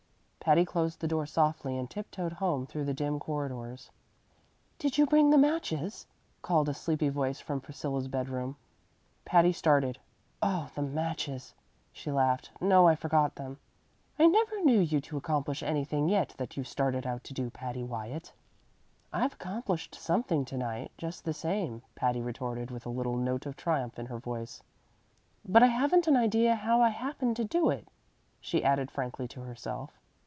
Patty closed the door softly and tiptoed home through the dim corridors. "Did you bring the matches?" called a sleepy voice from Priscilla's bedroom. Patty started. "Oh, the matches!" she laughed. "No; I forgot them." "I never knew you to accomplish anything yet that you started out to do, Patty Wyatt." "I've accomplished something to night, just the same," Patty retorted, with a little note of triumph in her voice; "but I haven't an idea how I happened to do it," she added frankly to herself.